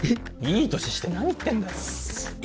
いい年して何言ってんだよシー！